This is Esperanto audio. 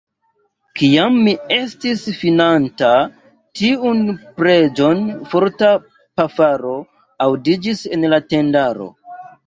Kiam mi estis finanta tiun preĝon, forta pafaro aŭdiĝis en la tendaro.